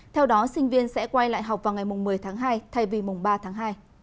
theo đó sinh viên sẽ quay lại học vào ngày một mươi tháng hai thay vì mùng ba tháng hai